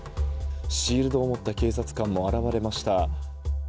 シールドを持った警察官も現れました。